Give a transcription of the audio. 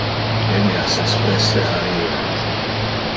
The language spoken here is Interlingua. Eneas es preste a ir.